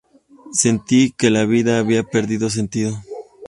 Sentí que la vida había perdido sentido.